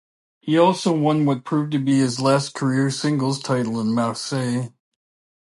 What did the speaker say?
He also won what proved to be his last career singles title in Marseille.